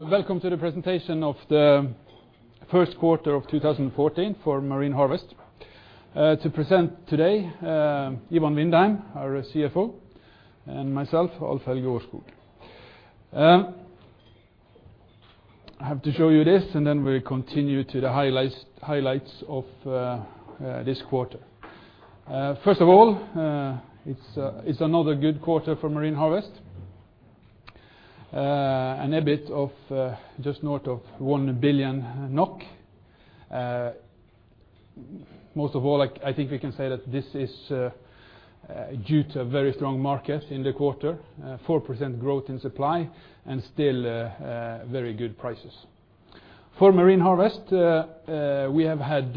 Welcome to the presentation of the first quarter of 2014 for Marine Harvest. To present today, Ivan Vindheim, our CFO, and myself, Alf-Helge Aarskog. I have to show you this, we'll continue to the highlights of this quarter. First of all, it's another good quarter for Marine Harvest. An EBIT of just north of 1 billion NOK. Most of all, I think we can say that this is due to a very strong market in the quarter, 4% growth in supply, and still very good prices. For Marine Harvest, we have had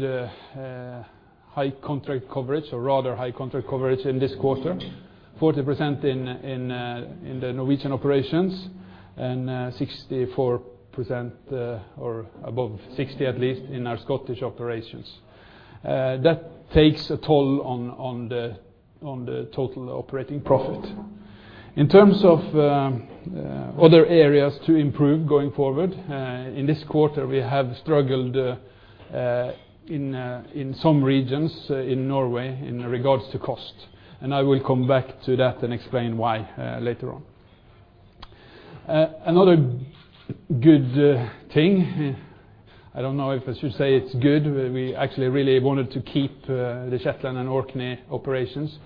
high contract coverage or rather high contract coverage in this quarter, 40% in the Norwegian operations, and 64% or above 60%, at least in our Scottish operations. It takes a toll on the total operating profit. In terms of other areas to improve going forward, in this quarter, we have struggled in some regions in Norway in regards to cost. I will come back to that and explain why later on. Another good thing, I don't know if I should say it's good. We actually really wanted to keep the Shetland and Orkney operations.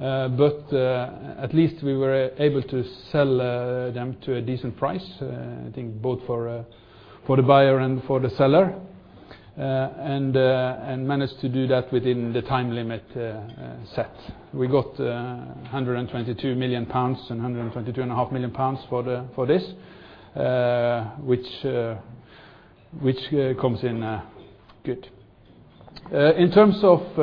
At least we were able to sell them to a decent price, I think both for the buyer and for the seller, and managed to do that within the time limit set. We got 122 million pounds and 122.5 million pounds for this, which comes in good. In terms of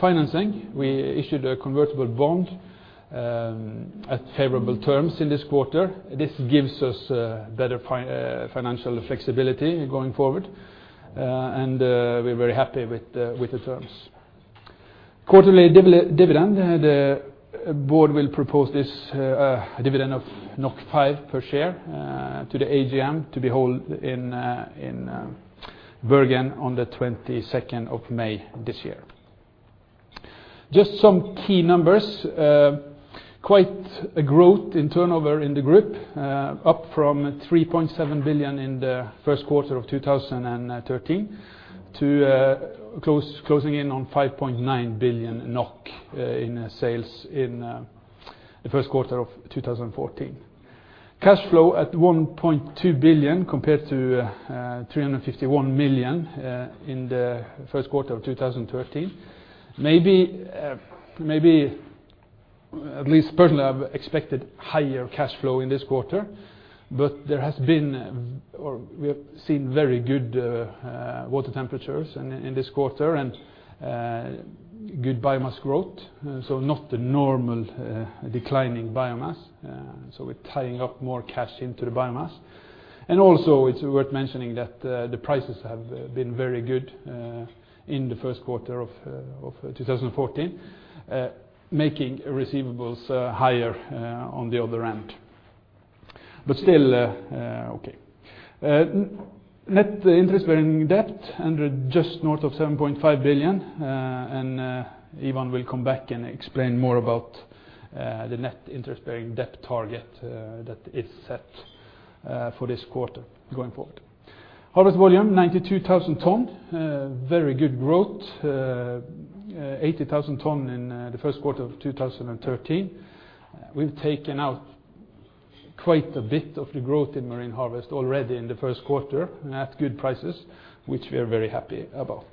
financing, we issued a convertible bond at favorable terms in this quarter. This gives us better financial flexibility going forward. We're very happy with the terms. Quarterly dividend, the board will propose this dividend of 5 per share to the AGM to be held in Bergen on the 22nd of May this year. Just some key numbers. Quite a growth in turnover in the group, up from 3.7 billion in the first quarter of 2013 to closing in on 5.9 billion NOK in sales in the first quarter of 2014. Cash flow at 1.2 billion compared to 351 million in the first quarter of 2013. Maybe at least personally, I've expected higher cash flow in this quarter. We have seen very good water temperatures in this quarter and good biomass growth, not the normal declining biomass. We're tying up more cash into the biomass. Also, it's worth mentioning that the prices have been very good in the first quarter of 2014, making receivables higher on the other end. Still okay. Net interest-bearing debt under just north of 7.5 billion. Ivan will come back and explain more about the net interest-bearing debt target that is set for this quarter going forward. Harvest volume, 92,000 tons. Very good growth. 80,000 tons in the first quarter of 2013. We've taken out quite a bit of the growth in Marine Harvest already in the first quarter at good prices, which we are very happy about.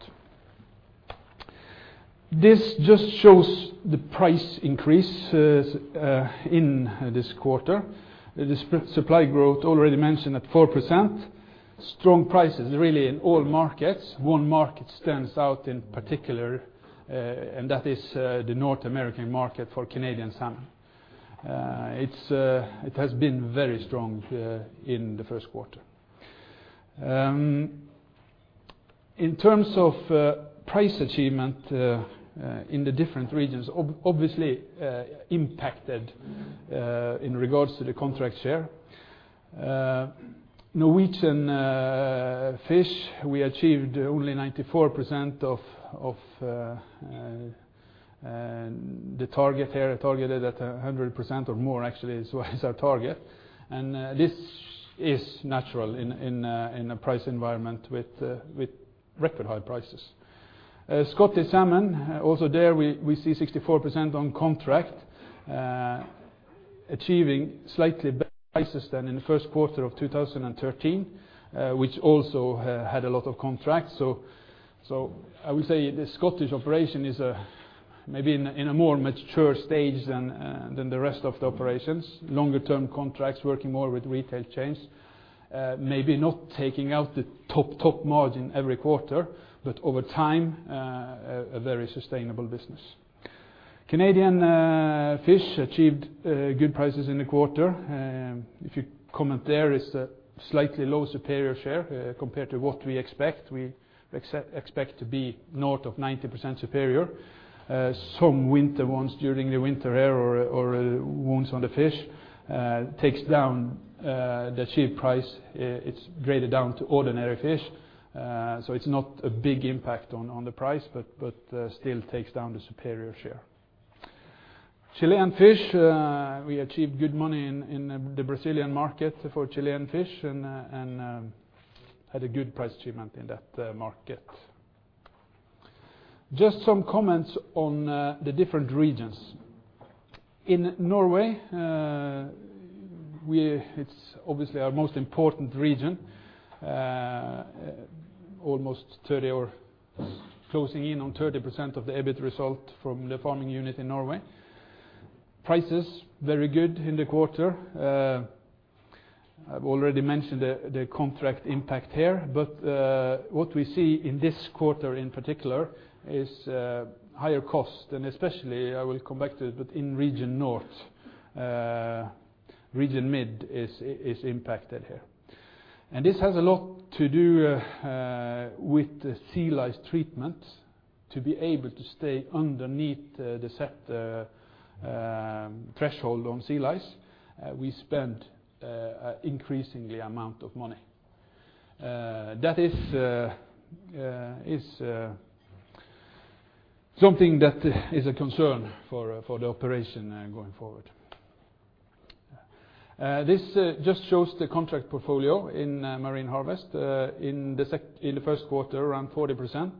This just shows the price increase in this quarter. The supply growth already mentioned at 4%. Strong prices really in all markets. One market stands out in particular, that is the North American market for Canadian salmon. It has been very strong in the first quarter. In terms of price achievement in the different regions, obviously impacted in regards to the contract share. Norwegian fish, we achieved only 94% of the target here, targeted at 100% or more, actually, is our target. This is natural in a price environment with record-high prices. Scottish salmon, also there we see 64% on contract, achieving slightly better prices than in the first quarter of 2013 which also had a lot of contracts. I would say the Scottish operation is maybe in a more mature stage than the rest of the operations, longer-term contracts, working more with retail chains. Maybe not taking out the top margin every quarter, but over time, a very sustainable business. Canadian fish achieved good prices in the quarter. If you comment there is a slightly low superior share compared to what we expect. We expect to be north of 90% superior. Some winter ones during the winter or wounds on the fish takes down the achieved price. It's graded down to ordinary fish. It's not a big impact on the price but still takes down the superior share. Chilean fish, we achieved good money in the Brazilian market for Chilean fish and had a good price achievement in that market. Just some comments on the different regions. In Norway, it's obviously our most important region. Almost 30 or closing in on 30% of the EBIT result from the farming unit in Norway. Prices very good in the quarter. I've already mentioned the contract impact here, but what we see in this quarter in particular is higher cost and especially, I will come back to it, but in Region North, Region Mid is impacted here. This has a lot to do with the sea lice treatment. To be able to stay underneath the set threshold on sea lice, we spend increasingly amount of money. That is something that is a concern for the operation going forward. This just shows the contract portfolio in Marine Harvest. In the first quarter, around 40%,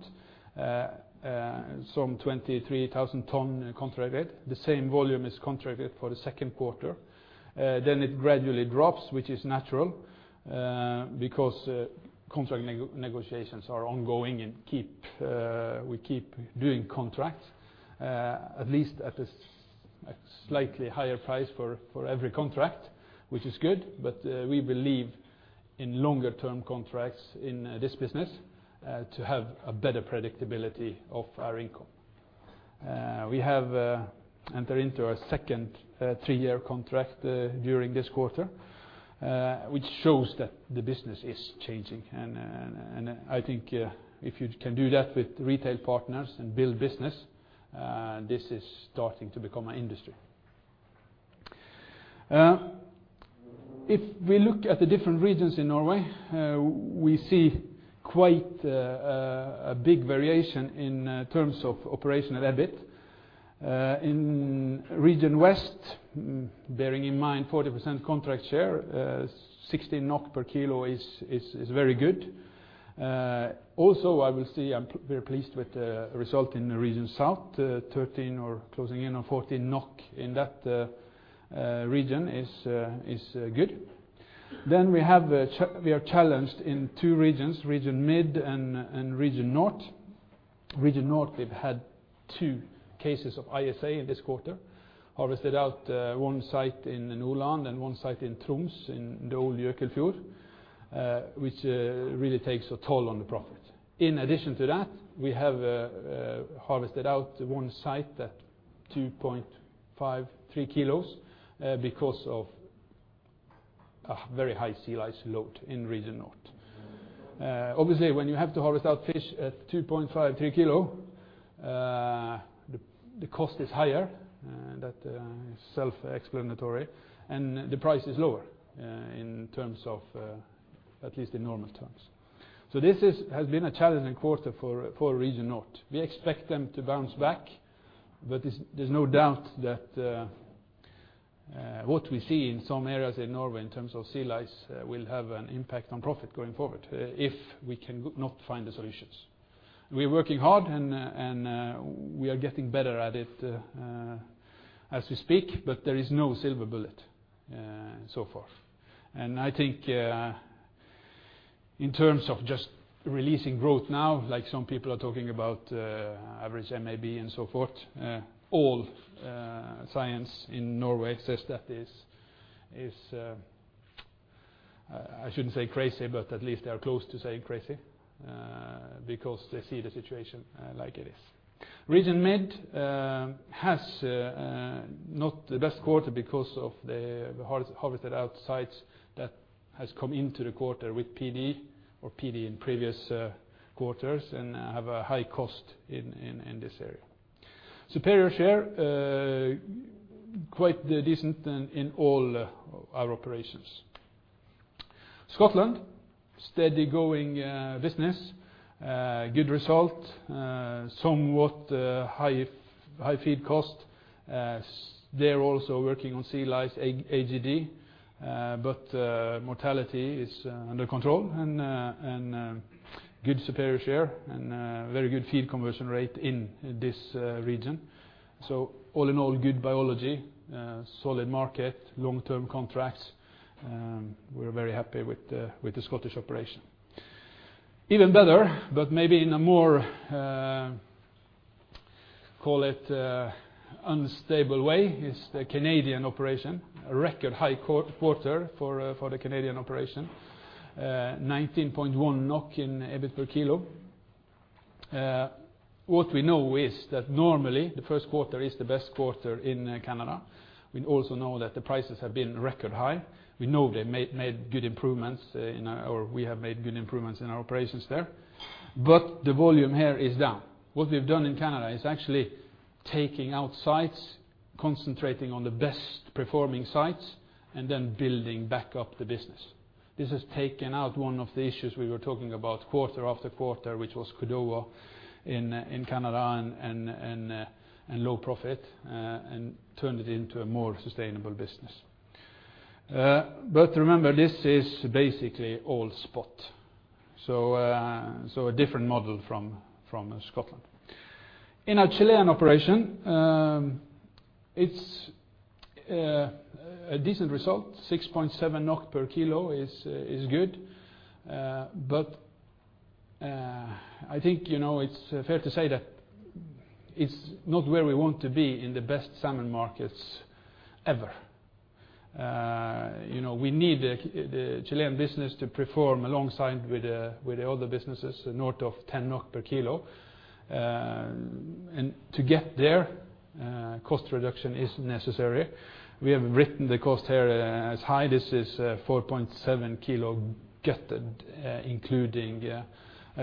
some 23,000 tons contracted. The same volume is contracted for the second quarter. It gradually drops, which is natural because contract negotiations are ongoing and we keep doing contracts, at least at a slightly higher price for every contract, which is good. We believe in longer-term contracts in this business to have a better predictability of our income. We have enter into a second three-year contract during this quarter, which shows that the business is changing. I think if you can do that with retail partners and build business, this is starting to become an industry. If we look at the different regions in Norway, we see quite a big variation in terms of operational EBIT. In Region West, bearing in mind 40% contract share, 16 NOK per kilo is very good. Also, I will say I'm very pleased with the result in Region South, 13 or closing in on 14 NOK in that region is good. We are challenged in two regions, Region Mid and Region North. Region North, we've had two cases of ISA in this quarter, harvested out one site in Nordland and one site in Troms in the old Jøkelfjorden which really takes a toll on the profit. In addition to that, we have harvested out one site at 2.5, 3 kilos because of a very high sea lice load in Region North. Obviously, when you have to harvest out fish at 2.5, 3 kilos, the cost is higher and that is self-explanatory, and the price is lower at least in normal terms. This has been a challenging quarter for Region North. We expect them to bounce back, but there's no doubt that what we see in some areas in Norway in terms of sea lice will have an impact on profit going forward if we cannot find the solutions. We are working hard and we are getting better at it as we speak, but there is no silver bullet so forth. I think in terms of just releasing growth now, like some people are talking about average MAB and so forth, all science in Norway says that is, I shouldn't say crazy, but at least they are close to saying crazy because they see the situation like it is. Region Mid has not the best quarter because of the harvested out sites that has come into the quarter with PD or PD in previous quarters and have a high cost in this area. Superior share, quite decent in all our operations. Scotland, steady going business. Good result. Somewhat high feed cost. They're also working on sea lice AGD but mortality is under control and good superior share and very good feed conversion rate in this region. All in all, good biology, solid market, long-term contracts. We're very happy with the Scottish operation. Even better, but maybe in a more call it unstable way, is the Canadian operation. A record high quarter for the Canadian operation. 19.1 NOK in EBIT per kilo. What we know is that normally the first quarter is the best quarter in Canada. We also know that the prices have been record high. We know we have made good improvements in our operations there. The volume here is down. What we've done in Canada is actually taking out sites, concentrating on the best-performing sites, and then building back up the business. This has taken out one of the issues we were talking about quarter after quarter, which was CDO in Canada and low profit, and turned it into a more sustainable business. Remember, this is basically all spot, so a different model from Scotland. In our Chilean operation, it's a decent result. 6.7 NOK per kilo is good. I think it's fair to say that it's not where we want to be in the best salmon markets ever. We need the Chilean business to perform alongside with the other businesses north of 10 per kilo. To get there, cost reduction is necessary. We have written the cost here as high. This is 4.7 kilo gutted, including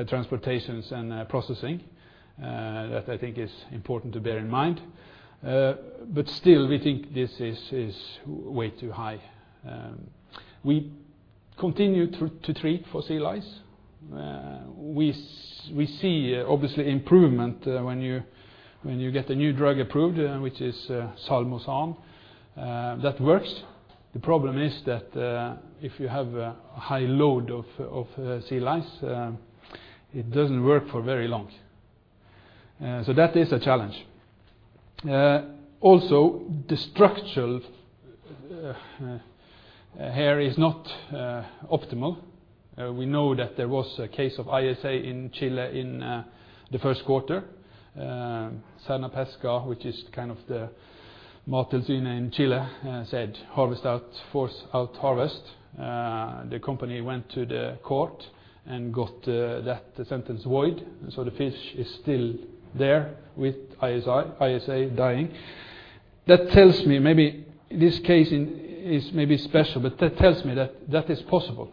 transportations and processing. That I think is important to bear in mind. Still, we think this is way too high. We continue to treat for sea lice. We see obviously improvement when you get a new drug approved, which is Salmosan. That works. The problem is that if you have a high load of sea lice, it doesn't work for very long. That is a challenge. Also, the structure here is not optimal. We know that there was a case of ISA in Chile in the first quarter. Sernapesca, which is kind of the Mortensen in Chile, said, "Force out harvest." The company went to the court and got that sentence void, the fish is still there with ISA dying. This case is maybe special, but that tells me that that is possible,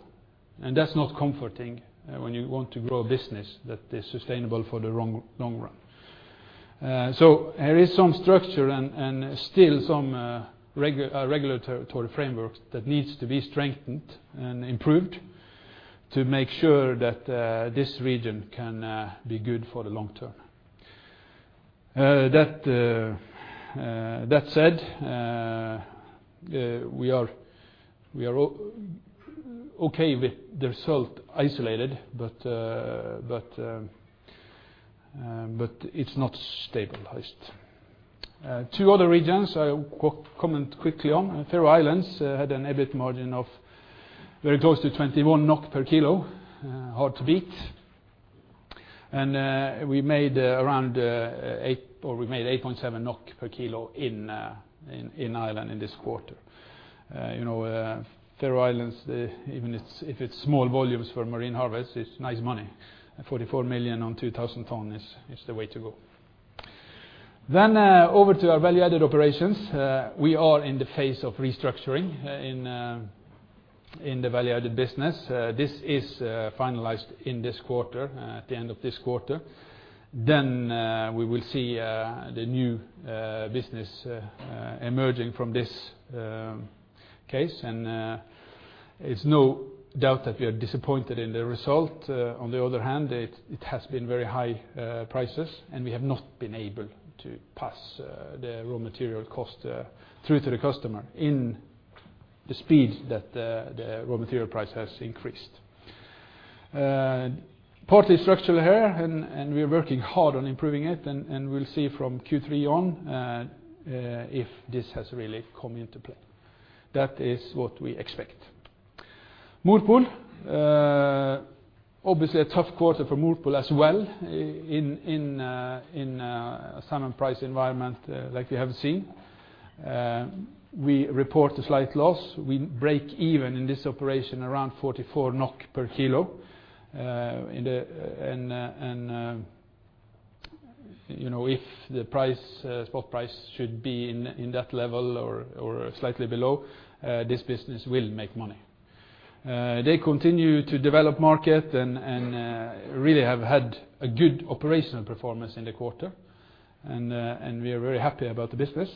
and that's not comforting when you want to grow a business that is sustainable for the long run. There is some structure and still some regulatory frameworks that needs to be strengthened and improved to make sure that this region can be good for the long term. That said, we are okay with the result isolated, but it's not stabilized. Two other regions I will comment quickly on. Faroe Islands had an EBIT margin of very close to 21 NOK per kilo. Hard to beat. We made 8.7 NOK per kilo in Ireland in this quarter. Faroe Islands, even if it's small volumes for Marine Harvest, it's nice money. 44 million on 2,000 tons is the way to go. Over to our value-added operations. We are in the phase of restructuring in the value-added business. This is finalized at the end of this quarter. We will see the new business emerging from this case, it's no doubt that we are disappointed in the result. On the other hand, it has been very high prices, we have not been able to pass the raw material cost through to the customer in the speed that the raw material price has increased. Partly structural here, we are working hard on improving it, we'll see from Q3 on if this has really come into play. That is what we expect. Morpol. Obviously, a tough quarter for Morpol as well in a salmon price environment like we have seen. We report a slight loss. We break even in this operation around 44 NOK per kilo. If the spot price should be in that level or slightly below, this business will make money. They continue to develop market really have had a good operational performance in the quarter, we are very happy about the business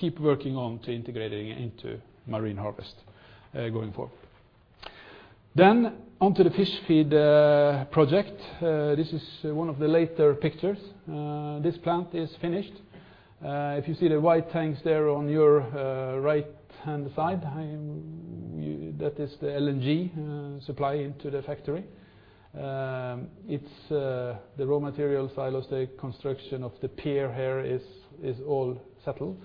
keep working on to integrating into Marine Harvest going forward. On to the fish feed project. This is one of the later pictures. This plant is finished. If you see the white tanks there on your right-hand side, that is the LNG supply into the factory. It's the raw material silos. The construction of the pier here is all settled.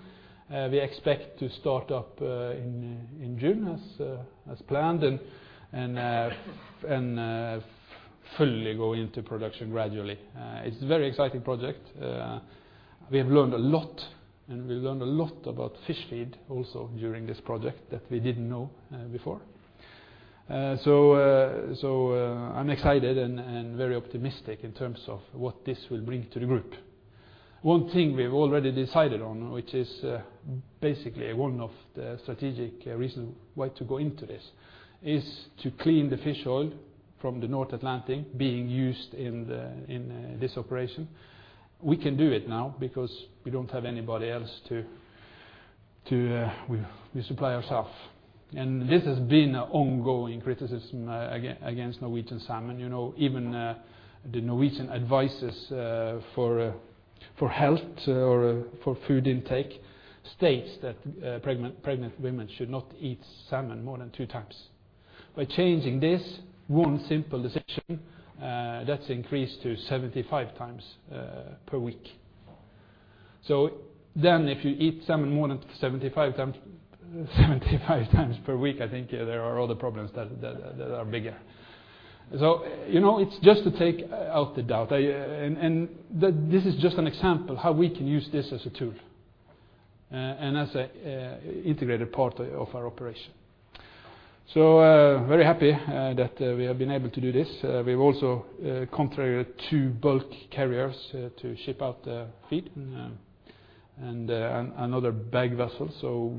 We expect to start up in June as planned. Fully go into production gradually. It's a very exciting project. We have learned a lot, we learned a lot about fish feed also during this project that we didn't know before. I'm excited and very optimistic in terms of what this will bring to the group. One thing we've already decided on, which is basically one of the strategic reasons why to go into this, is to clean the fish oil from the North Atlantic being used in this operation. We can do it now because we don't have anybody else. We supply ourself. This has been an ongoing criticism against Norwegian salmon. Even the Norwegian advices for health or for food intake states that pregnant women should not eat salmon more than two times. By changing this one simple decision, that's increased to 75 times per week. If you eat salmon more than 75 times per week, I think there are other problems that are bigger. It's just to take out the doubt. This is just an example how we can use this as a tool and as an integrated part of our operation. Very happy that we have been able to do this. We've also contracted two bulk carriers to ship out the feed and another bag vessel.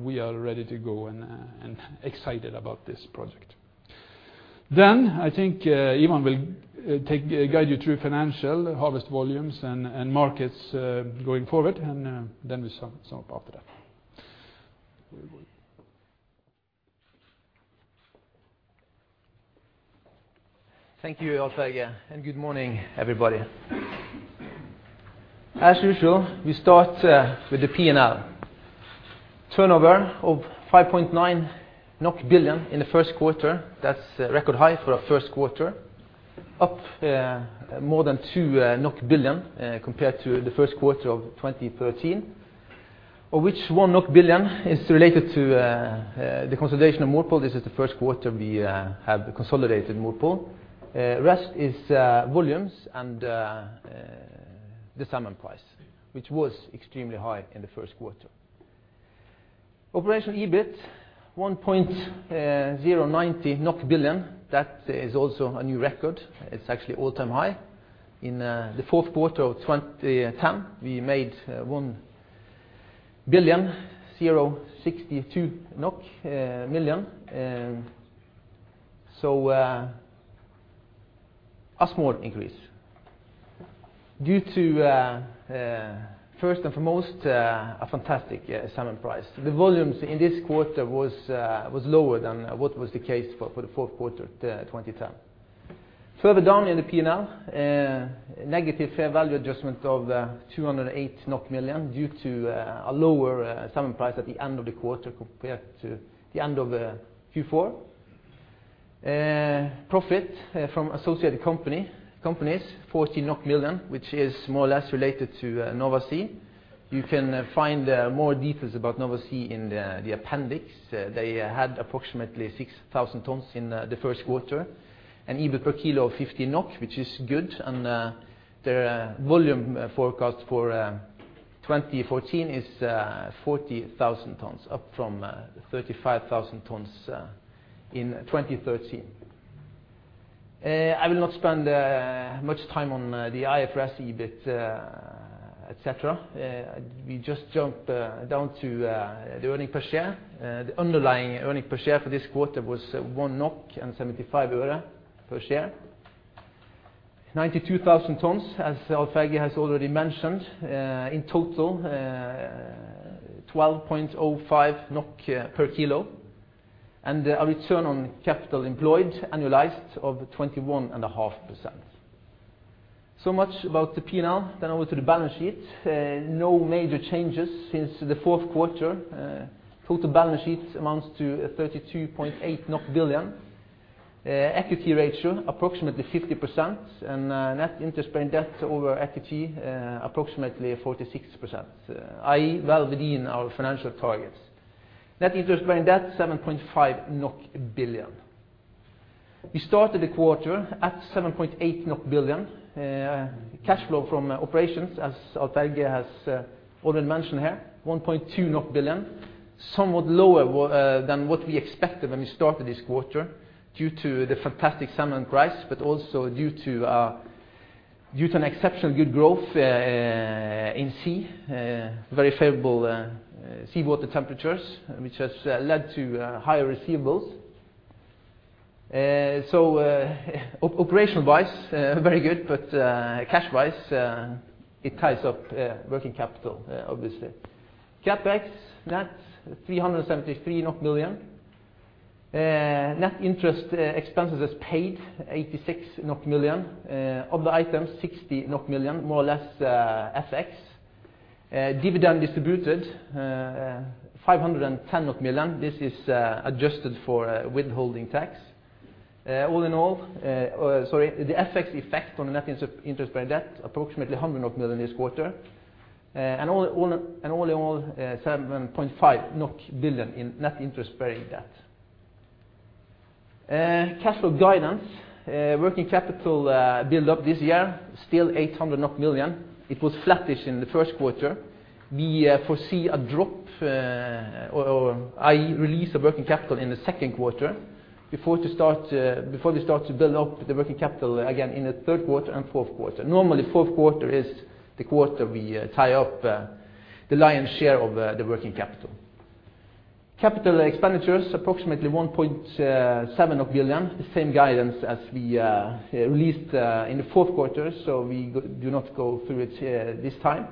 We are ready to go and excited about this project. I think Ivan will guide you through financial harvest volumes and markets going forward, and then we sum up after that. Over to you. Thank you, Alf, and good morning, everybody. As usual, we start with the P&L. Turnover of 5.9 billion NOK in the first quarter. That's a record high for a first quarter, up more than 2 billion NOK compared to the first quarter of 2013. Of which 1 billion NOK is related to the consolidation of Mowi. This is the first quarter we have consolidated Mowi. Rest is volumes and the salmon price, which was extremely high in the first quarter. Operational EBIT 1.090 billion NOK. That is also a new record. It's actually all-time high. In the fourth quarter of 2010, we made 1 billion, 0.62 million NOK. A small increase due to, first and foremost, a fantastic salmon price. The volumes in this quarter was lower than what was the case for the fourth quarter 2010. Further down in the P&L, negative fair value adjustment of 208 million NOK due to a lower salmon price at the end of the quarter compared to the end of Q4. Profit from associated companies, 14 million, which is more or less related to Nova Sea. You can find more details about Nova Sea in the appendix. They had approximately 6,000 tonnes in the first quarter and EBIT per kilo of 15 NOK, which is good, and their volume forecast for 2014 is 40,000 tonnes, up from 35,000 tonnes in 2013. I will not spend much time on the IFRS EBIT, et cetera. We just jump down to the earning per share. The underlying earning per share for this quarter was NOK 1.75 per share, 92,000 tonnes, as Alf Inge has already mentioned. In total 12.05 NOK per kilo and a return on capital employed annualized of 21.5%. Much about the P&L. Over to the balance sheet. No major changes since the fourth quarter. Total balance sheet amounts to 32.8 billion. Equity ratio approximately 50%, and net interest-bearing debt over equity approximately 46%, i.e., well within our financial targets. Net interest-bearing debt 7.5 billion NOK. We started the quarter at 7.8 billion NOK. Cash flow from operations, as Alf Inge has already mentioned here, 1.2 billion, somewhat lower than what we expected when we started this quarter due to the fantastic salmon price, but also due to an exceptional good growth in sea. Very favorable seawater temperatures, which has led to higher receivables. Operational-wise, very good, but cash-wise, it ties up working capital, obviously. CapEx, net 373 million. Net interest expenses as paid 86 million. Other items 60 million, more or less FX. Dividend distributed 510 million. This is adjusted for withholding tax. The FX effect on the net interest-bearing debt approximately 100 million NOK this quarter. All in all, 7.5 billion NOK in net interest-bearing debt. Cash flow guidance. Working capital build up this year, still 800 million. It was flattish in the first quarter. We foresee a drop, or i.e., release of working capital in the second quarter before they start to build up the working capital again in the third quarter and fourth quarter. Normally, fourth quarter is the quarter we tie up the lion's share of the working capital. Capital expenditures, approximately 1.7 billion, the same guidance as we released in the fourth quarter, so we do not go through it this time.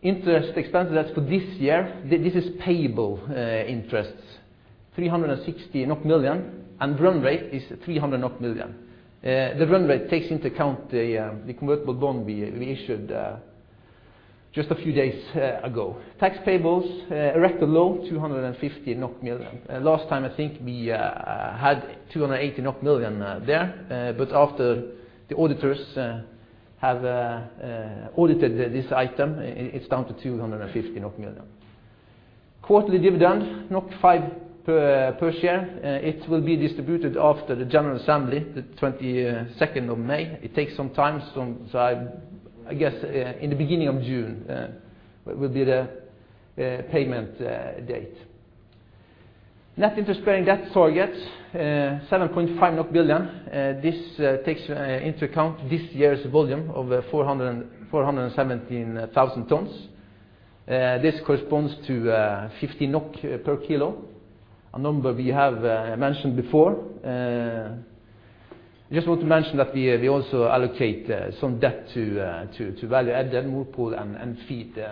Interest expenses for this year, this is payable interests, 360 million NOK, and run rate is 300 million NOK. The run rate takes into account the convertible bond we issued just a few days ago. Tax payables, erect a low 250 million NOK. Last time, I think we had 280 million NOK there, but after the auditors have audited this item, it's down to 250 million NOK. Quarterly dividend, 5 per share. It will be distributed after the general assembly, the 22nd of May. It takes some time, so I guess in the beginning of June will be the payment date. Net interest-bearing debt target, 7.5 billion. This takes into account this year's volume of 417,000 tons. This corresponds to 50 NOK per kilo, a number we have mentioned before. I just want to mention that we also allocate some debt to value-added Mowi pool and feed.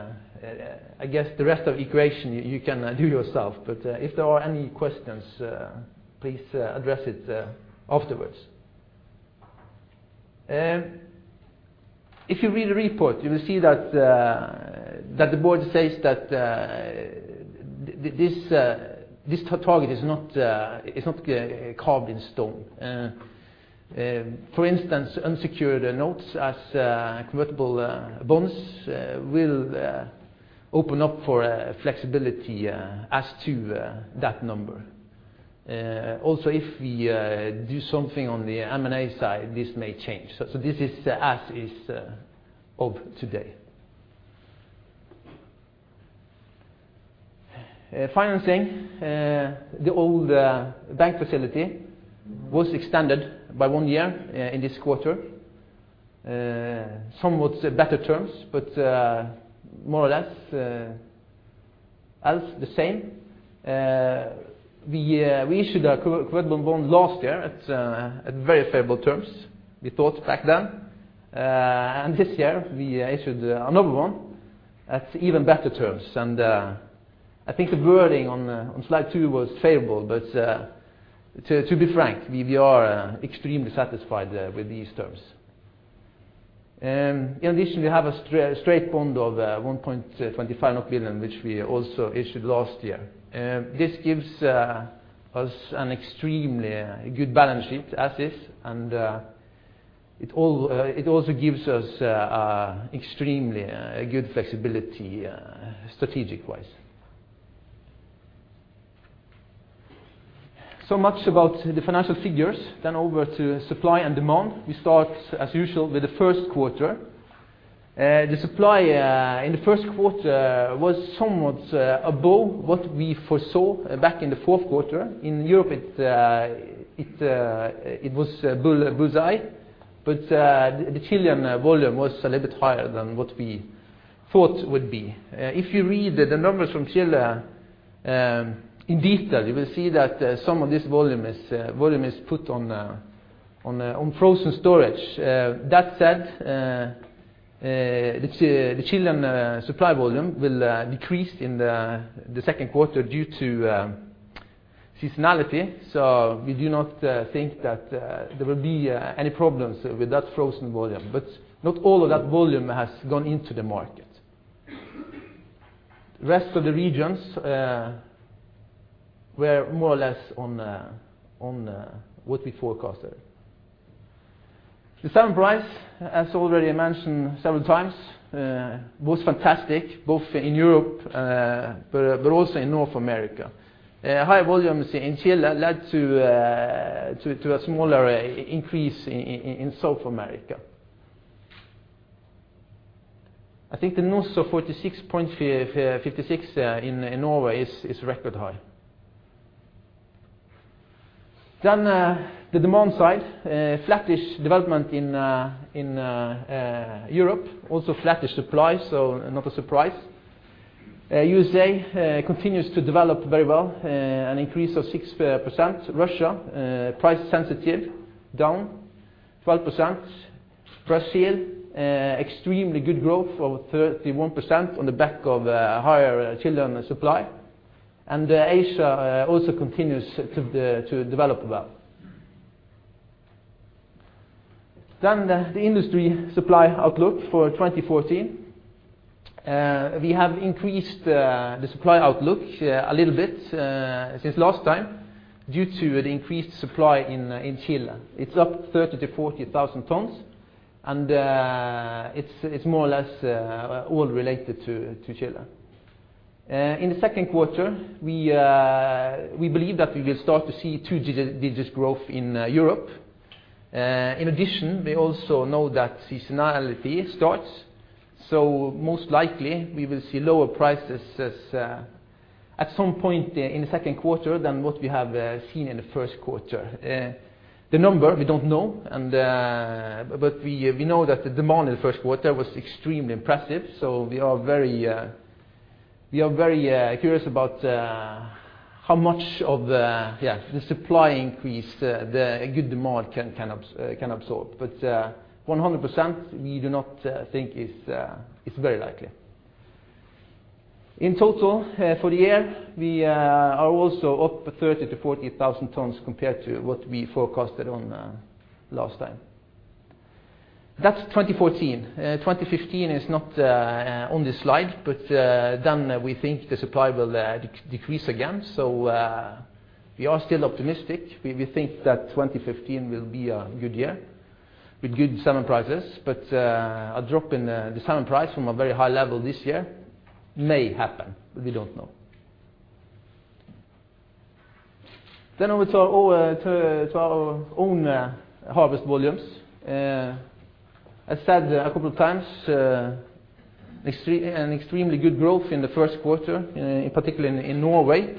I guess the rest of equation you can do yourself, but if there are any questions, please address it afterwards. If you read the report, you will see that the board says that this target is not carved in stone. For instance, unsecured notes as convertible bonds will open up for flexibility as to that number. Also, if we do something on the M&A side, this may change. This is as is of today. Financing. The old bank facility was extended by one year in this quarter. Somewhat better terms, but more or less else the same. We issued a convertible bond last year at very favorable terms, we thought back then. This year, we issued another one at even better terms. I think the wording on slide two was favorable, but to be frank, we are extremely satisfied with these terms. In addition, we have a straight bond of 1.25 billion, which we also issued last year. This gives us an extremely good balance sheet as is, and it also gives us extremely good flexibility strategic-wise. Much about the financial figures. Over to supply and demand. We start, as usual, with the first quarter. The supply in the first quarter was somewhat above what we foresaw back in the fourth quarter. In Europe, it was bullseye, but the Chilean volume was a little bit higher than what we thought would be. If you read the numbers from Chile in detail, you will see that some of this volume is put on frozen storage. That said, the Chilean supply volume will decrease in the second quarter due to seasonality, so we do not think that there will be any problems with that frozen volume. Not all of that volume has gone into the market. Rest of the regions were more or less on what we forecasted. The salmon price, as already mentioned several times, was fantastic, both in Europe but also in North America. High volumes in Chile led to a smaller increase in South America. I think the 46.56 in Norway is record high. The demand side. Flattish development in Europe, also flattish supply, so not a surprise. U.S.A. continues to develop very well, an increase of 6%. Russia, price sensitive, down 12%. Brazil, extremely good growth of 31% on the back of higher Chilean supply. Asia also continues to develop well. The industry supply outlook for 2014. We have increased the supply outlook a little bit since last time. Due to the increased supply in Chile. It's up 30,000-40,000 tons, and it's more or less all related to Chile. In the second quarter, we believe that we will start to see 2 digits growth in Europe. In addition, we also know that seasonality starts, so most likely we will see lower prices at some point in the second quarter than what we have seen in the first quarter. The number we don't know, but we know that the demand in the first quarter was extremely impressive, so we are very curious about how much of the supply increase the good demand can absorb. 100% we do not think is very likely. In total, for the year, we are also up 30,000-40,000 tons compared to what we forecasted last time. That's 2014. 2015 is not on this slide, but then we think the supply will decrease again. We are still optimistic. We think that 2015 will be a good year with good salmon prices, but a drop in the salmon price from a very high level this year may happen. We don't know. Over to our own harvest volumes. I said a couple of times, an extremely good growth in the first quarter, particularly in Norway.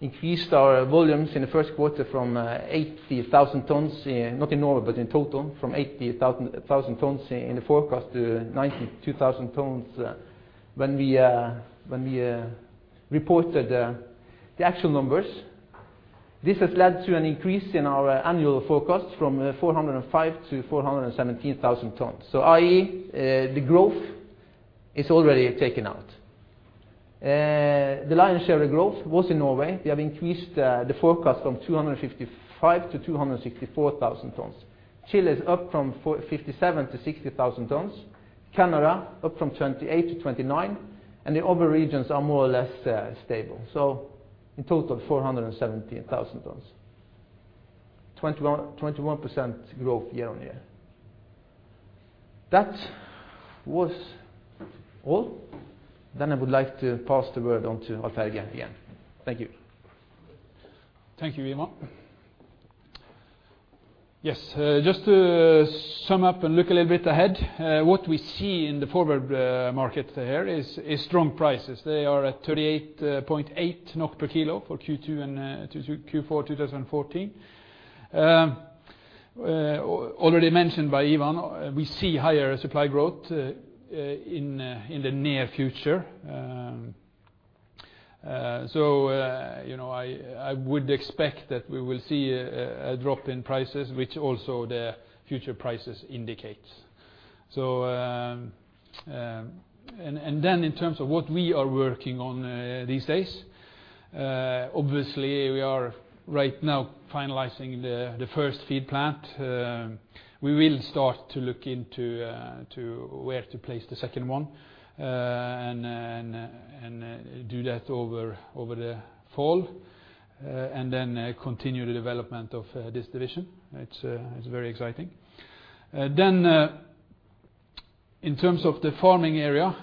Increased our volumes in the first quarter from 80,000 tons, not in Norway, but in total, from 80,000 tons in the forecast to 92,000 tons when we reported the actual numbers. This has led to an increase in our annual forecast from 405,000-417,000 tons. i.e., the growth is already taken out. The lion's share of the growth was in Norway. We have increased the forecast from 255,000-264,000 tons. Chile is up from 57,000-60,000 tons. Canada up from 28,000-29,000 tons. The other regions are more or less stable. In total, 417,000 tons. 21% growth year-on-year. That was all. I would like to pass the word on to Alf-Tage again. Thank you. Thank you, Ivan. Just to sum up and look a little bit ahead. What we see in the forward market there is strong prices. They are at 38.8 NOK per kilo for Q2 and Q4 2014. Already mentioned by Ivan, we see higher supply growth in the near future. I would expect that we will see a drop in prices, which also the future prices indicate. In terms of what we are working on these days, obviously we are right now finalizing the first feed plant. We will start to look into where to place the second one, and do that over the fall. Continue the development of this division. It's very exciting. In terms of the farming area,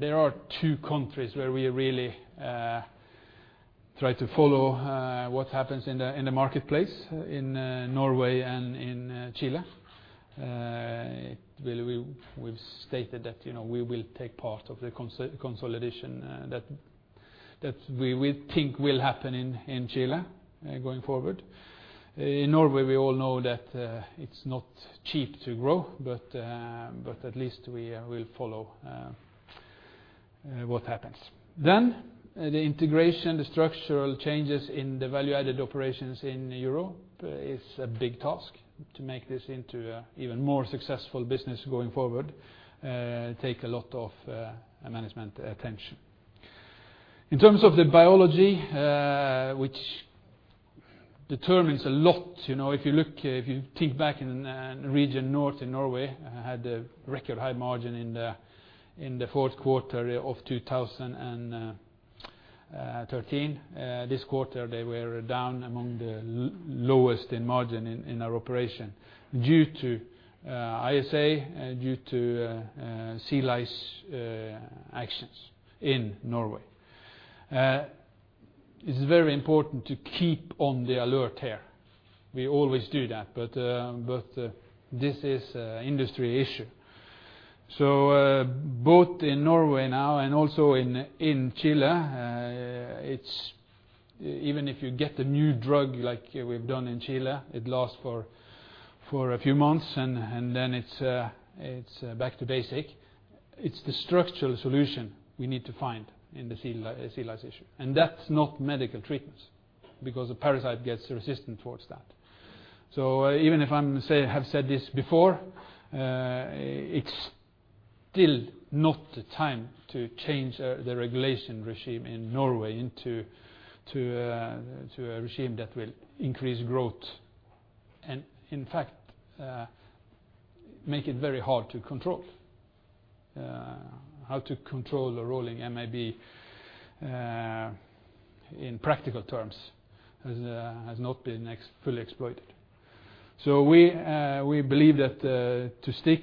there are two countries where we really try to follow what happens in the marketplace, in Norway and in Chile. We've stated that we will take part of the consolidation that we think will happen in Chile going forward. In Norway, we all know that it's not cheap to grow, at least we will follow what happens. The integration, the structural changes in the value-added operations in Europe is a big task to make this into an even more successful business going forward. It takes a lot of management attention. In terms of the biology, which determines a lot. If you think back in Region North in Norway, they had the record high margin in the fourth quarter of 2013. This quarter, they were down among the lowest in margin in our operation due to ISA and due to sea lice actions in Norway. It's very important to keep on the alert here. We always do that, this is an industry issue. Both in Norway now and also in Chile, even if you get the new drug like we've done in Chile, it lasts for a few months, it's back to basics. It's the structural solution we need to find in the sea lice issue. That's not medical treatments because the parasite gets resistant towards that. Even if I have said this before, it's still not the time to change the regulation regime in Norway into a regime that will increase growth and in fact, make it very hard to control. How to control a rolling MAB in practical terms has not been fully exploited. We believe that to stick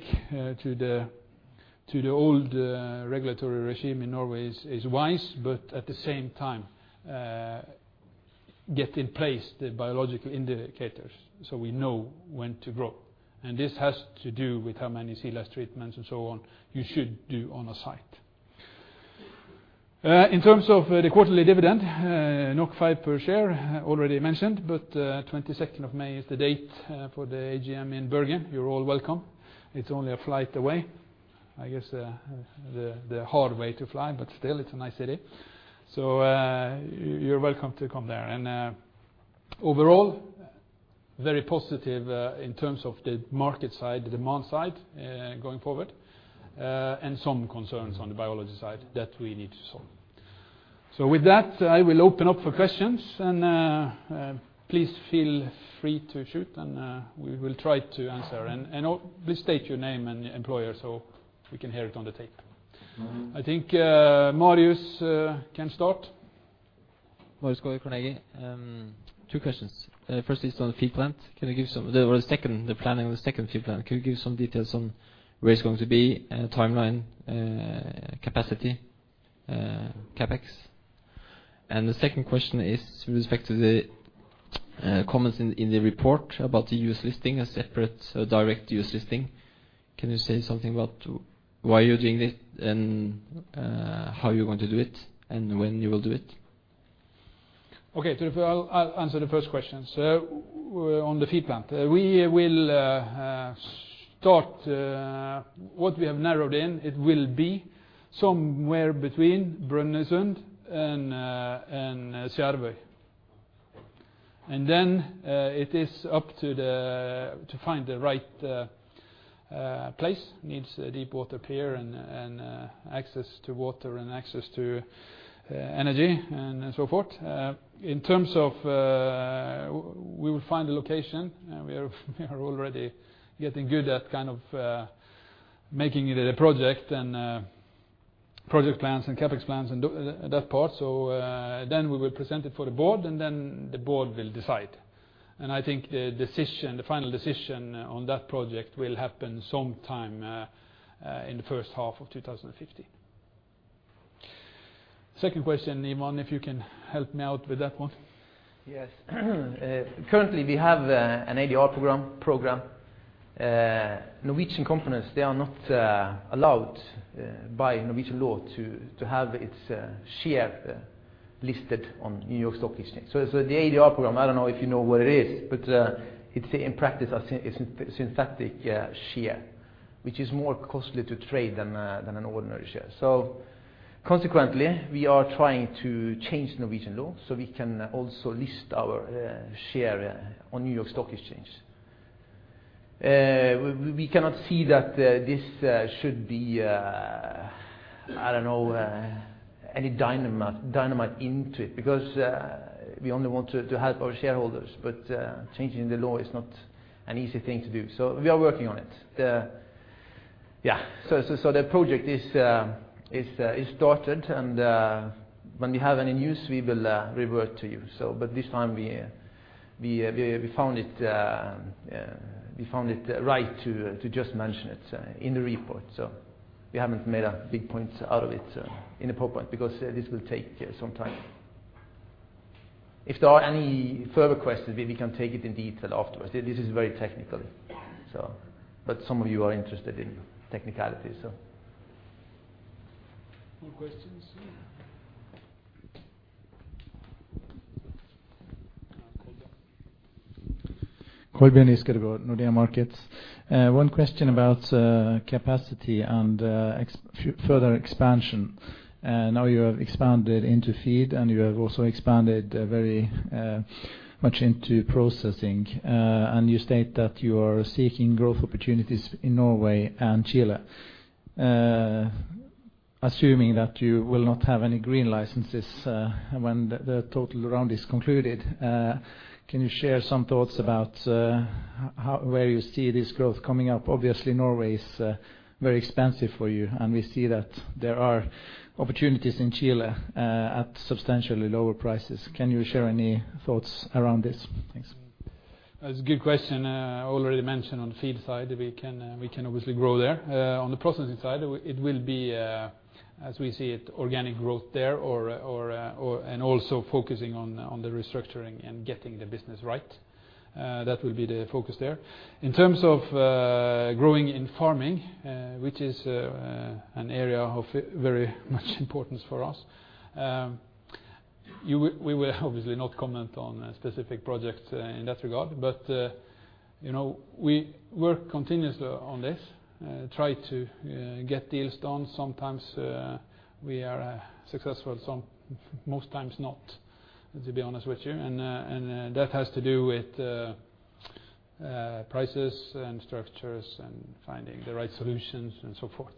to the old regulatory regime in Norway is wise, at the same time get in place the biological indicators so we know when to grow. This has to do with how many sea lice treatments and so on you should do on a site. In terms of the quarterly dividend, 5 per share already mentioned, the 22nd of May is the date for the AGM in Bergen. You're all welcome. It's only a flight away. I guess the hard way to fly, still it's a nice city. You're welcome to come there. Overall, very positive in terms of the market side, the demand side going forward, and some concerns on the biology side that we need to solve. With that, I will open up for questions and please feel free to shoot and we will try to answer. Please state your name and employer so we can hear it on the tape. I think Marius can start. Marius Gaard, Carnegie. Two questions. First is on the feed plant. The planning on the second feed plant. Can you give some details on where it's going to be, timeline, capacity, CapEx? The second question is with respect to the comments in the report about the U.S. listing a separate direct U.S. listing. Can you say something about why you're doing this and how you're going to do it and when you will do it? I'll answer the first question. On the feed plant. We will start, what we have narrowed in, it will be somewhere between Brønnøysund and Kjerringøy. It is up to find the right place, needs a deep water pier and access to water and access to energy and so forth. In terms of we will find a location and we are already getting good at making it a project and project plans and CapEx plans and that part. We will present it for the board and then the board will decide. I think the final decision on that project will happen sometime in the first half of 2015. Yes. Currently we have an ADR program. Norwegian companies, they are not allowed by Norwegian law to have its share listed on New York Stock Exchange. The ADR program, I don't know if you know what it is, it's in practice a synthetic share, which is more costly to trade than an ordinary share. We are trying to change Norwegian law so we can also list our share on New York Stock Exchange. We cannot see that this should be, I don't know, any dynamite into it because we only want to help our shareholders changing the law is not an easy thing to do. We are working on it. The project is started and when we have any news we will revert to you. This time we found it right to just mention it in the report. We haven't made a big point out of it in the PowerPoint because this will take some time. If there are any further questions, we can take it in detail afterwards. This is very technical. Some of you are interested in technicalities so More questions? Kolbjørn. Kolbjørn Giskeødegård, Nordea Markets. One question about capacity and further expansion. Now you have expanded into feed and you have also expanded very much into processing. You state that you are seeking growth opportunities in Norway and Chile. Assuming that you will not have any green licenses when the total round is concluded, can you share some thoughts about where you see this growth coming up? Obviously Norway is very expensive for you and we see that there are opportunities in Chile at substantially lower prices. Can you share any thoughts around this? Thanks. That's a good question. I already mentioned on the feed side we can obviously grow there. On the processing side, it will be, as we see it, organic growth there and also focusing on the restructuring and getting the business right. That will be the focus there. In terms of growing in farming, which is an area of very much importance for us, we will obviously not comment on specific projects in that regard, but we work continuously on this, try to get deals done. Sometimes we are successful, most times not, to be honest with you. That has to do with prices and structures and finding the right solutions and so forth.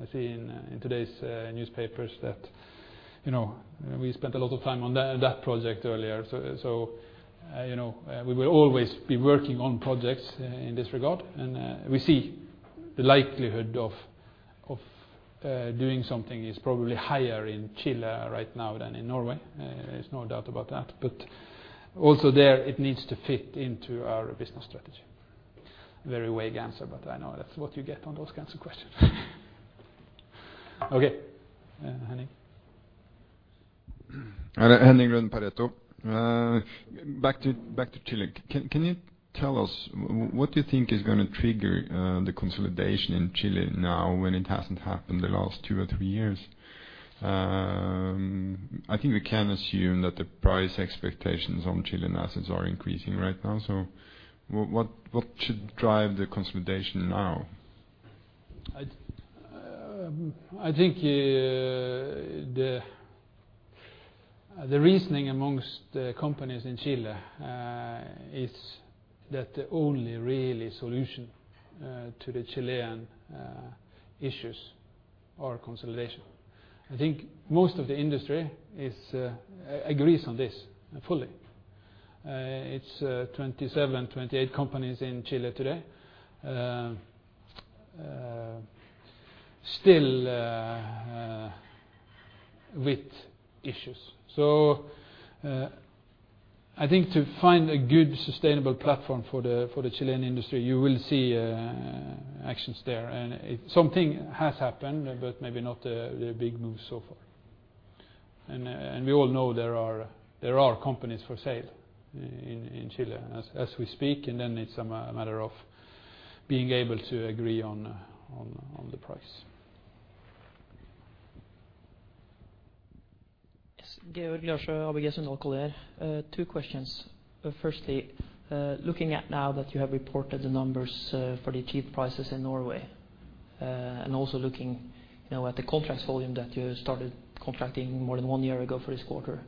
I see in today's newspapers that We spent a lot of time on that project earlier. We will always be working on projects in this regard, we see the likelihood of doing something is probably higher in Chile right now than in Norway. There's no doubt about that, also there it needs to fit into our business strategy. Very vague answer, but I know that's what you get on those kinds of questions. Okay. Henning? Henning Røssum, Pareto. Back to Chile. Can you tell us what you think is going to trigger the consolidation in Chile now when it hasn't happened the last two or three years? I think we can assume that the price expectations on Chilean assets are increasing right now. What should drive the consolidation now? Yes. I think the reasoning amongst the companies in Chile is that the only really solution to the Chilean issues are consolidation. I think most of the industry agrees on this fully. It's 27, 28 companies in Chile today still with issues. I think to find a good sustainable platform for the Chilean industry, you will see actions there. Something has happened, but maybe not the big moves so far. We all know there are companies for sale in Chile as we speak, and then it's a matter of being able to agree on the price. Yes. Georg Liasjø, ABG Sundal Collier. Two questions. Firstly, looking at now that you have reported the numbers for the cheap prices in Norway, and also looking now at the contracts volume that you started contracting more than one year ago for this quarter.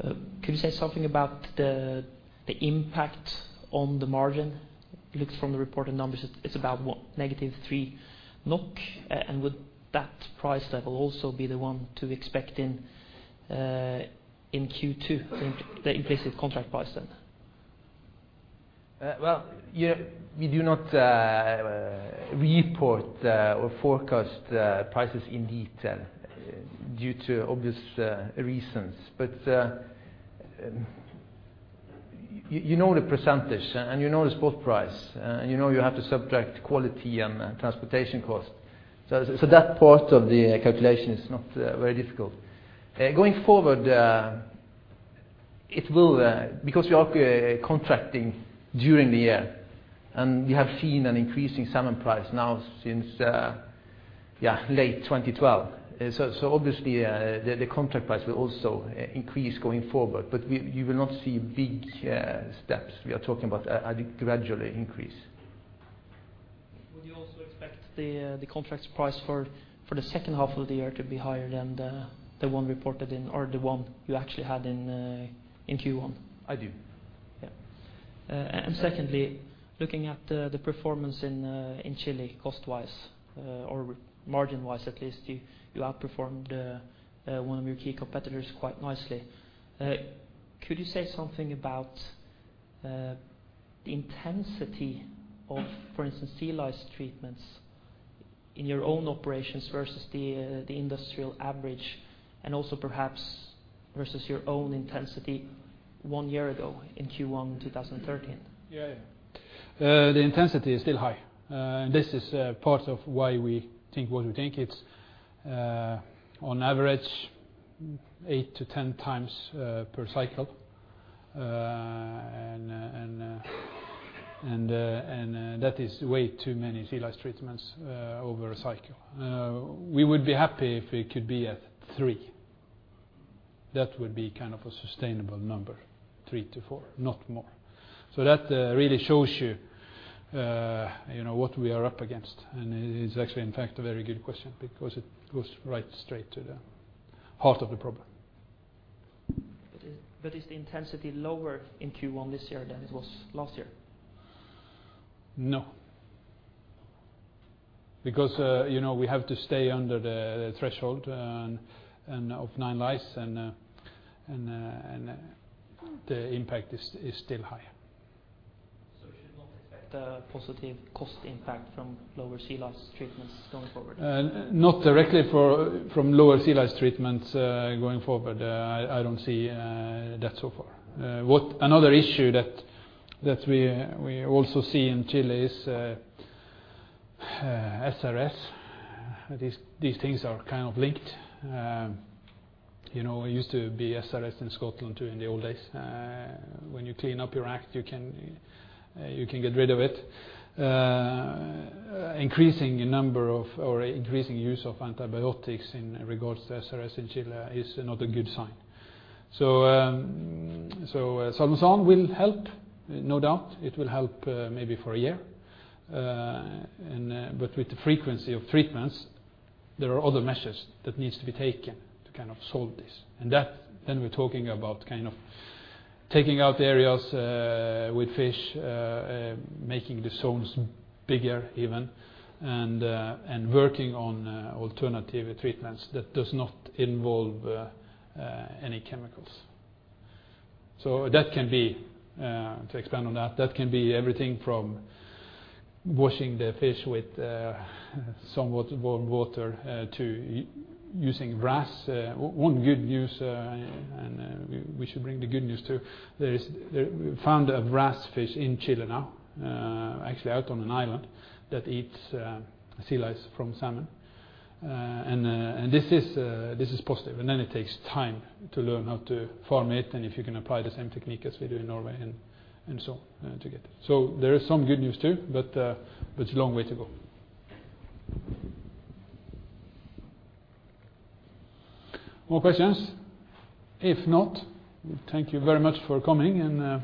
Could you say something about the impact on the margin? Looks from the reported numbers, it's about what? Negative 3 NOK. Would that price level also be the one to expect in Q2, the implicit contract price then? Well, we do not report or forecast prices in detail due to obvious reasons. You know the percentage and you know the spot price, and you know you have to subtract quality and transportation cost. That part of the calculation is not very difficult. Going forward, because we are contracting during the year and we have seen an increasing salmon price now since, yeah, late 2012. Obviously the contract price will also increase going forward. You will not see big steps. We are talking about a gradually increase. Would you also expect the contract price for the second half of the year to be higher than the one reported in, or the one you actually had in Q1? I do. Yeah. Secondly, looking at the performance in Chile cost-wise or margin-wise at least, you outperformed one of your key competitors quite nicely. Could you say something about the intensity of, for instance, sea lice treatments in your own operations versus the industrial average and also perhaps versus your own intensity one year ago in Q1 2013? Yeah. The intensity is still high. This is part of why we think what we think. It's on average eight to 10 times per cycle. That is way too many sea lice treatments over a cycle. We would be happy if it could be at three. That would be kind of a sustainable number, three to four, not more. That really shows you what we are up against, and it is actually, in fact, a very good question because it goes right straight to the heart of the problem. Is the intensity lower in Q1 this year than it was last year? No. We have to stay under the threshold of nine lice, and the impact is still high. We should not expect a positive cost impact from lower sea lice treatments going forward? Not directly from lower sea lice treatments going forward. I don't see that so far. Another issue that we also see in Chile is SRS. These things are kind of linked. It used to be SRS in Scotland, too, in the old days. When you clean up your act, you can get rid of it. Increasing number of or increasing use of antibiotics in regards to SRS in Chile is not a good sign. Salmosan will help, no doubt. It will help maybe for a year. With the frequency of treatments, there are other measures that needs to be taken to kind of solve this. Then we're talking about kind of taking out areas with fish, making the zones bigger even, and working on alternative treatments that does not involve any chemicals. To expand on that can be everything from washing the fish with somewhat warm water to using wrasse. One good news, we should bring the good news, too. We found a wrasse fish in Chile now, actually out on an island that eats sea lice from salmon. This is positive, and then it takes time to learn how to farm it and if you can apply the same technique as we do in Norway and so on to get it. There is some good news, too, but it's a long way to go. More questions? If not, thank you very much for coming and